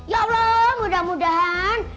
ya allah mudah mudahan